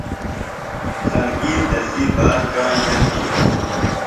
خلکِیم تسی بات کاݨ نہ تِھیلیۡ۔